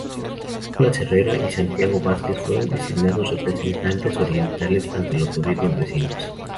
Nicolás Herrera y Santiago Vázquez fueron designados representantes orientales ante los gobiernos vecinos.